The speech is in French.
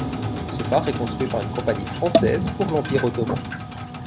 Ce phare est construit par une compagnie française pour l'empire ottoman.